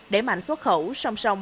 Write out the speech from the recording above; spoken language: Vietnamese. để mạnh xuất khẩu song song